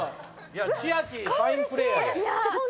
いや千秋ファインプレーやで。